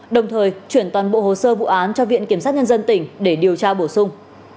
đồng thời chuyển toàn bộ hồ sơ vụ án cho viện kiểm sát nhân dân tỉnh để điều tra bổ sung